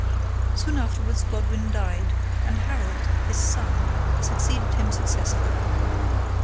] Soon afterwards Godwin died, and Harold, his son, succeeded him successfully.